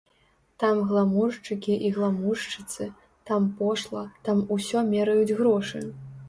Там гламуршчыкі і гламуршчыцы, там пошла, там усё мераюць грошы.